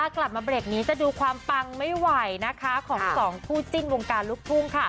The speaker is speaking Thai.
กลับมาเบรกนี้จะดูความปังไม่ไหวนะคะของสองคู่จิ้นวงการลูกทุ่งค่ะ